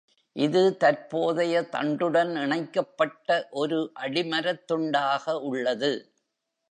இது தற்போதைய தண்டுடன் இணைக்கப்பட்ட ஒரு அடிமரத்துண்டாக உள்ளது.